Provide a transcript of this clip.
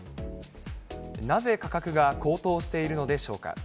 なぜ価格が高騰しているのでしょうか。